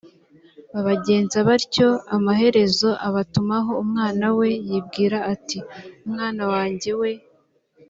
babagenza batyo e amaherezo abatumaho umwana we yibwira ati umwana wanjye we